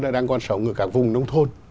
đang còn sống ở cả vùng nông thôn